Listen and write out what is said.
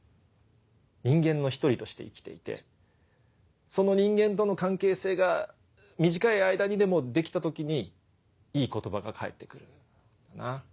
人間の一人として生きていてその人間との関係性が短い間にでもできた時にいい言葉が返って来るんだな。